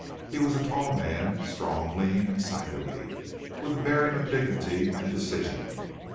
He was a tall man, strong, lean and sinewy, with a bearing of dignity and decision.